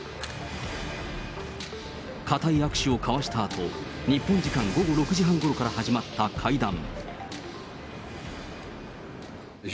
固い握手を交わしたあと、日本時間午後６時半ごろから始まった会談。